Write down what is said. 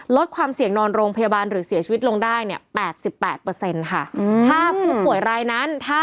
ลดความเสี่ยงนอนโรงพยาบาลหรือเสียชีวิตลงได้๘๘ค่ะ